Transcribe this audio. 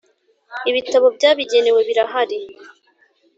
ibitabo byabigenewe birahari.